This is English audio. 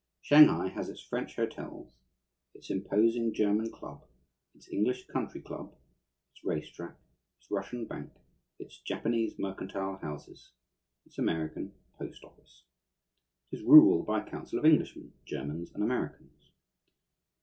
Shanghai has its French hotels, its imposing German Club, its English Country Club, its race track, its Russian Bank, its Japanese mercantile houses, its American post office. It is ruled by a council of Englishmen, Germans, and Americans.